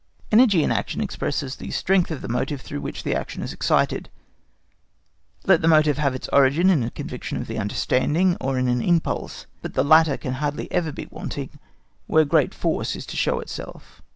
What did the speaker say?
Energy in action expresses the strength of the motive through which the action is excited, let the motive have its origin in a conviction of the understanding, or in an impulse. But the latter can hardly ever be wanting where great force is to show itself.